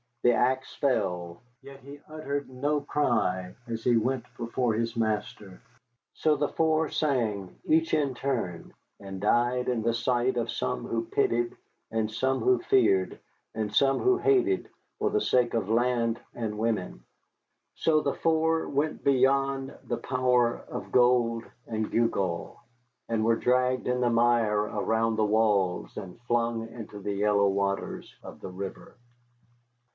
The axe fell, yet he uttered no cry as he went before his Master. So the four sang, each in turn, and died in the sight of some who pitied, and some who feared, and some who hated, for the sake of land and women. So the four went beyond the power of gold and gewgaw, and were dragged in the mire around the walls and flung into the yellow waters of the river.